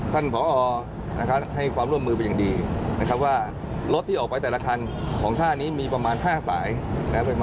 ท่านบอกอยู่แล้วว่ารถคันนี้จะไม่ออกไปให้บริการประชาชน